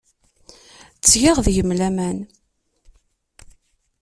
Ttgeɣ deg-m laman.